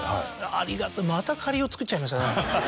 ありがたいまた借りを作っちゃいましたね。